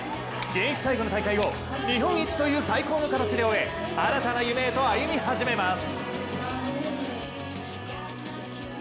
現役最後の大会を日本一という最高の形で終え新たな夢へと歩み始めます。